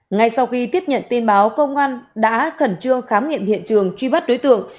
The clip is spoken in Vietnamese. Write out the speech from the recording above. ngay sau khi tiếp nhận tin báo công an đã khẩn trương khám nghiệm hiện trường truy bắt đối tượng